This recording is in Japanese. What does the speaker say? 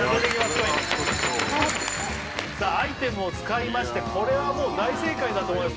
コインさあアイテムを使いましてこれはもう大正解だと思います